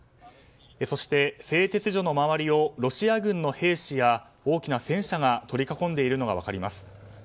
そして、製鉄所の周りをロシア軍の兵士や大きな戦車が取り囲んでいるのが分かります。